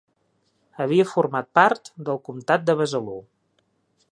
Havia format part del comtat de Besalú.